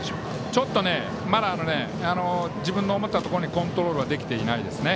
ちょっとまだ自分の思ったところにコントロールできてないですね。